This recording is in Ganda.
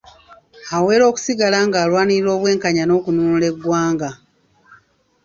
Awera okusigala nga balwanirira obwenkanya n’okununula eggwanga.